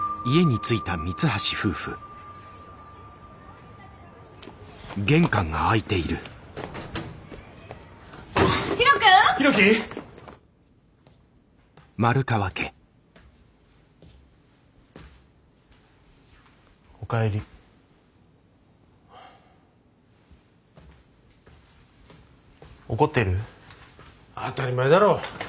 当たり前だろ。